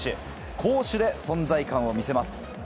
攻守で存在感を見せます。